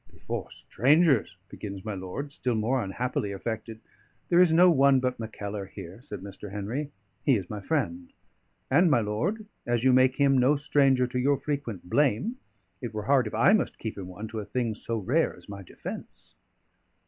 "Before strangers ..." begins my lord, still more unhappily affected. "There is no one but Mackellar here," said Mr. Henry; "he is my friend. And, my lord, as you make him no stranger to your frequent blame, it were hard if I must keep him one to a thing so rare as my defence."